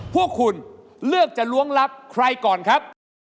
พวกคุณเลือกจะล้วงลับใครก่อนครับ